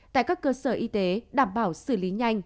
tại các cơ sở y tế đảm bảo xử lý nhanh